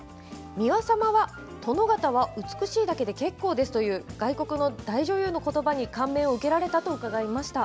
美輪様は殿方は美しいだけで結構ですという外国の大女優のことばに感銘を受けられたと伺いました。